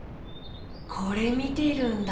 これみてるんだ。